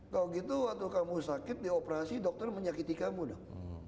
kalau gitu waktu kamu sakit dioperasi dokter menyakiti kamu dong